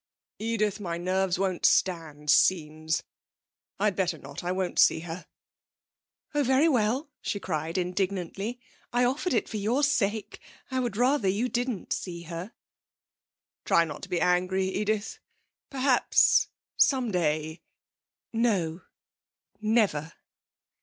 'Edith, my nerves won't stand scenes. I'd better not. I won't see her.' 'Oh, very well!' she cried indignantly. 'I offered it for your sake. I would rather you didn't see her.' 'Try not to be angry, Edith. Perhaps some day ' 'No. Never.'